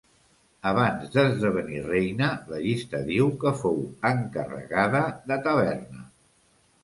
Abans d'esdevenir reina, la llista diu que fou encarregada de taverna.